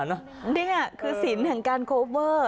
นี่คือศิลป์แห่งการโคเวอร์